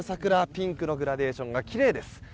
ピンクのグラデーションがきれいです。